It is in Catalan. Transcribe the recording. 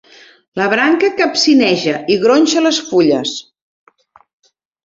La branca capcineja i gronxa les fulles.